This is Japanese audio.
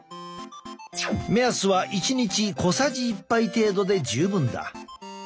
目安は１日小さじ１杯程度で十分だ。